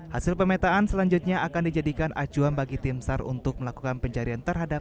hasil pemetaan selanjutnya akan dijadikan acuan bagi tim sar untuk melakukan pencarian terhadap